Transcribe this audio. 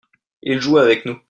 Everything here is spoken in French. il jouait avec nous.